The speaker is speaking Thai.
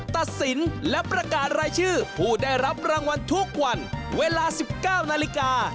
ตัดสินและประกาศรายชื่อผู้ได้รับรางวัลทุกวันเวลา๑๙นาฬิกา